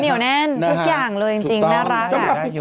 เหนียวแน่นทุกอย่างเลยจริงน่ารัก